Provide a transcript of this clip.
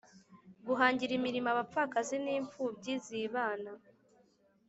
Guhangira imirimo abapfakazi n imfumbyi zibana